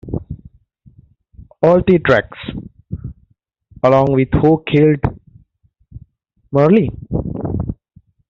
All three tracks, along with Who Killed Marilyn?